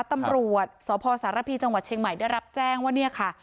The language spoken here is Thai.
ตำรวจสศรภีจังหวัดเชียงใหม่ได้รับแจ้งว่า